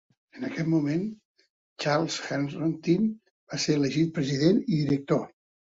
En aquest moment, Charles Henrotin va ser elegit president i director.